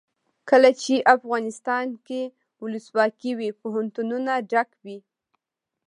کله چې افغانستان کې ولسواکي وي پوهنتونونه ډک وي.